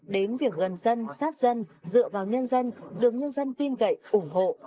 đến việc gần dân sát dân dựa vào nhân dân được nhân dân tin cậy ủng hộ